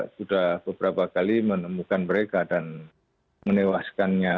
sudah beberapa kali menemukan mereka dan menewaskannya